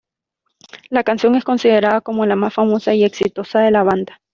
La canción es considerada como la más famosa y exitosa de la banda.